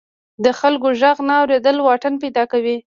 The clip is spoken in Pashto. د خلکو غږ نه اوریدل واټن پیدا کوي.